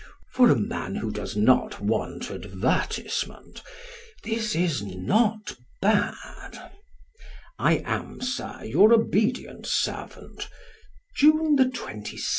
For a man who does not want advertisement this is not bad. I am, Sir, your obedient servant, June 27th. A LONDON EDITOR.